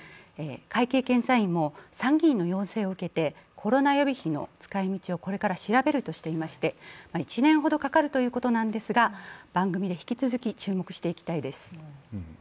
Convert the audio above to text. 会計検査院も参議院の要請を受けてコロナ予備費の使い道をこれから調べるとしていますが１年ほどかかるということなんですが、番組で引き続き注目していきたいです。